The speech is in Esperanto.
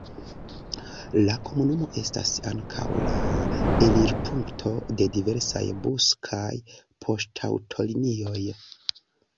La komunumo estas ankaŭ la elirpunkto de diversaj bus- kaj poŝtaŭtolinioj.